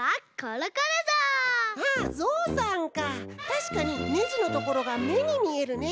たしかにねじのところがめにみえるね。